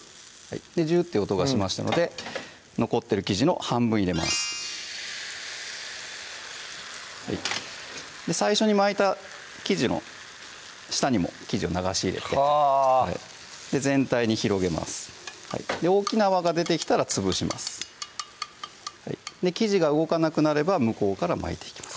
ジュッていう音がしましたので残ってる生地の半分入れます最初に巻いた生地の下にも生地を流し入れてはぁ全体に広げます大きな泡が出てきたら潰します生地が動かなくなれば向こうから巻いていきます